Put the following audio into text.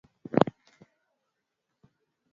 viazi lishe huliwa na nyama